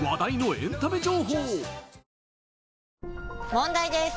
問題です！